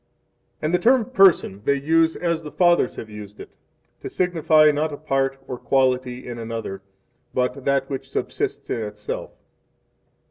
And the term "person" 4 they use as the Fathers have used it, to signify, not a part or quality in another, but that which subsists of itself.